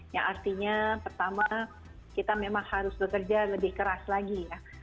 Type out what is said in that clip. ya artinya pertama kita memang harus bekerja lebih keras lagi ya